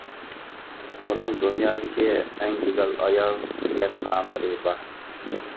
ئۇنىڭ «دۇنيادىكى ئەڭ گۈزەل ئايال» دېگەن ناملىرى بار.